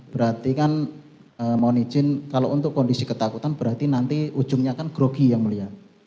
berarti kan mohon izin kalau untuk kondisi ketakutan berarti nanti ujungnya kan grogi yang mulia